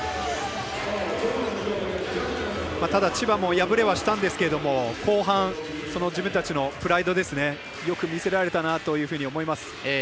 ただ、千葉も敗れはしたんですけども後半、自分たちのプライドよく見せられたなというふうに思います。